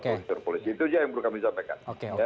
itu saja yang perlu kami sampaikan